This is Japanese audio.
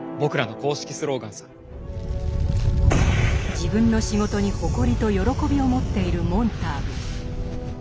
自分の仕事に誇りと喜びを持っているモンターグ。